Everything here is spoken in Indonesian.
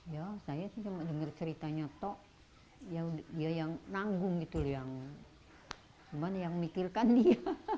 ya saya sih cuma dengar ceritanya tok ya yang nanggung gitu loh yang mikirkan dia